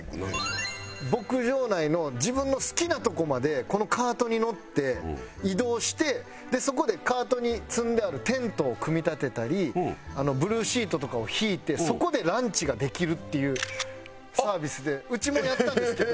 牧場内の自分の好きなとこまでこのカートに乗って移動してそこでカートに積んであるテントを組み立てたりブルーシートとかを敷いてそこでランチができるっていうサービスでうちもやったんですけど。